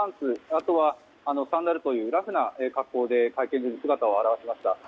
あとはサンダルというラフな格好で会見場に姿を現しました。